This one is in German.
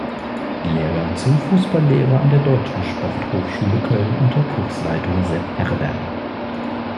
Lehrgang zum Fußball-Lehrer an der Deutschen Sporthochschule Köln unter Kursleiter Sepp Herberger.